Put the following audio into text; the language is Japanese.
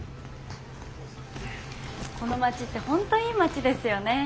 この町って本当いい町ですよね。